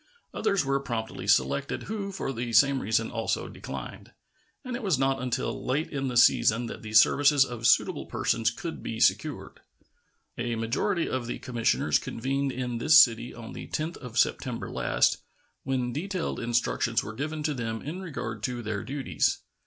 Others were promptly selected, who for the same reason also declined, and it was not until late in the season that the services of suitable persons could be secured. A majority of the commissioners convened in this city on the 10th of September last, when detailed instructions were given to them in regard to their duties.